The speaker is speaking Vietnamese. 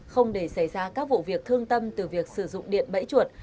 không để xảy ra các vụ việc thương tâm từ việc sử dụng điện bẫy chuột